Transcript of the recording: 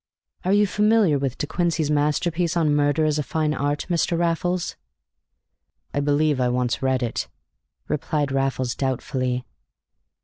Are you familiar with De Quincey's masterpiece on 'Murder as a Fine Art,' Mr. Raffles?" "I believe I once read it," replied Raffles doubtfully.